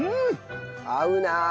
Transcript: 合うなあ！